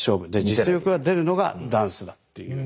実力が出るのがダンスだっていう。